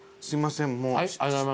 すいません。